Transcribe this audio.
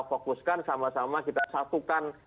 fokuskan sama sama kita satukan